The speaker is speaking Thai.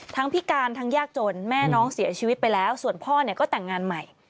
พิการทั้งยากจนแม่น้องเสียชีวิตไปแล้วส่วนพ่อเนี่ยก็แต่งงานใหม่